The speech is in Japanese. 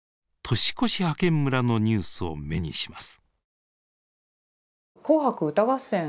年越し派遣村のニュースを目にします。